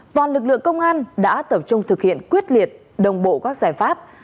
toàn lực lượng công an đã tập trung thực hiện quyết liệt đồng bộ các giải pháp